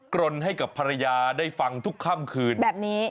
กรนให้กับภรรยาได้ฟังทุกค่ำคืนแบบนี้